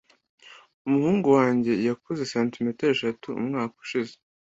Umuhungu wanjye yakuze santimetero eshanu umwaka ushize.